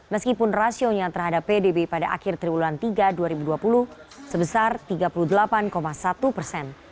meskipun rasionya terhadap pdb pada akhir triwulan tiga dua ribu dua puluh sebesar tiga puluh delapan satu persen